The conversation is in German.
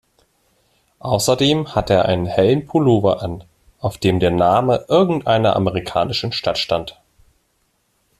Außerdem hatte er einen hellen Pullover an, auf dem der Name irgendeiner amerikanischen Stadt stand.